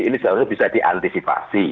ini seharusnya bisa diantisipasi